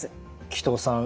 鬼頭さん